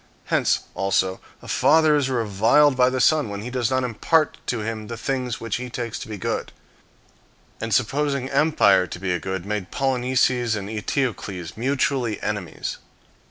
Hence, also, a father is reviled by a son, when he does not impart to him the things which he takes to be good; and the supposing empire to be a good made Polynices and Eteocles mutually enemies.